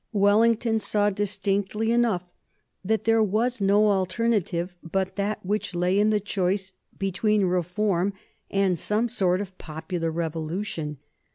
Wellington saw distinctly enough that there was no alternative but that which lay in the choice between reform and some sort of popular revolution.